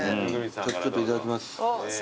ちょっといただきます。